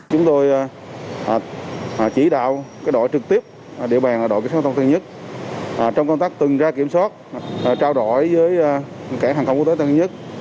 chúng tôi chỉ đạo đội trực tiếp địa bàn đội tp hcm trong công tác từng ra kiểm soát trao đổi với cảng tp hcm